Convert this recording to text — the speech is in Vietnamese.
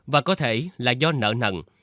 và có thể là do nợ nặng